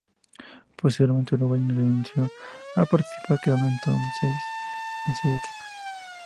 Posteriormente, Uruguay renunció a participar, quedando entonces seis equipos.